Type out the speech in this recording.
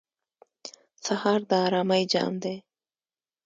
سهار د آرامۍ جام دی.